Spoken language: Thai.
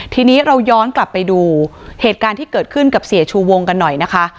ทีนี้เราย้อนกลับไปดูเหตุการณ์ที่เกิดขึ้นกับเสียชูวงกันหน่อยนะคะ